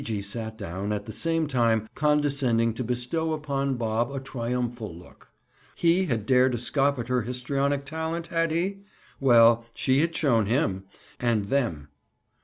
Gee gee sat down, at the same time condescending to bestow upon Bob a triumphal look. He had dared to scoff at her histrionic talent, had he? Well, she had shown him—and them.